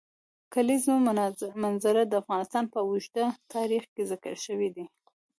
د کلیزو منظره د افغانستان په اوږده تاریخ کې ذکر شوی دی.